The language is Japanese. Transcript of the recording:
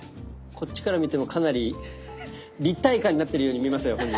こっちから見てもかなり立体感になってるように見えますよ